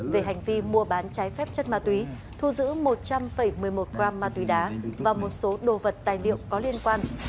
về hành vi mua bán trái phép chất ma túy thu giữ một trăm một mươi một g ma túy đá và một số đồ vật tài liệu có liên quan